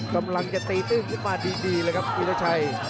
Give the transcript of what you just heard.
กำลังจะตีตื้นขึ้นมาดีเลยครับวิราชัย